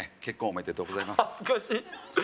結婚おめでとうございます恥ずかし